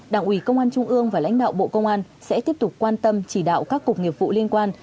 đảng ủy công an trung ương và lãnh đạo bộ công an sẽ tiếp tục quan tâm chỉ đạo các cục nghiệp vụ liên quan